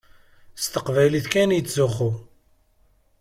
S teqbaylit kan i yettzuxxu.